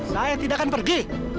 saya tidak akan pergi